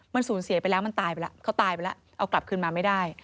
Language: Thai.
มันสูญเสียไปแล้วมันตายไปแล้วเขาตายไปแล้วเอากลับคืนมาไม่ได้